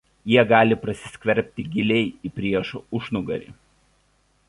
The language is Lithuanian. Jie gali prasiskverbti giliai į priešo užnugarį.